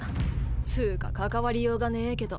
っつうか関わりようがねえけど。